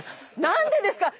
何でですか？